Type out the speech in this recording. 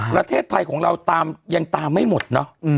ประเทศไทยของเราตามยังตามไม่หมดเนอะ